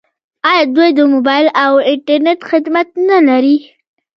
آیا دوی د موبایل او انټرنیټ خدمات نلري؟